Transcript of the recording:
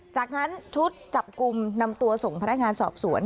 จากนั้นชุดจับกลุ่มนำตัวส่งพนักงานสอบสวน